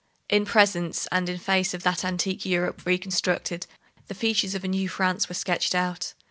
In presence and in face of that antique Europe reconstructed, the features of a new France were sketched out.